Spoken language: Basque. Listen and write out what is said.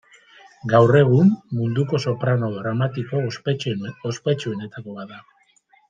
Gaur egun munduko soprano dramatiko ospetsuenetako bat da.